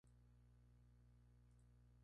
Nació en San Maurizio Canavese, Piemonte, Italia.